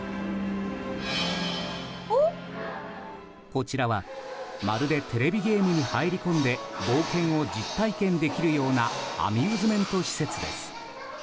こちらはまるでテレビゲームに入り込んで冒険を実体験できるようなアミューズメント施設です。